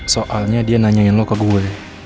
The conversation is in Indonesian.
soalnya dia nanyain lo ke gue